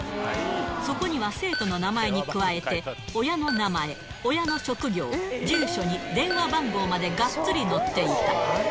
そこには、生徒の名前に加えて、親の名前、親の職業、住所に電話番号までがっつり載っていた。